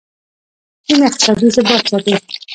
چین اقتصادي ثبات ساتي.